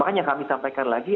makanya kami sampaikan lagi